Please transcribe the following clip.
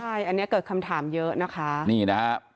ใช่อันนี้เกิดคำถามเยอะนะคะ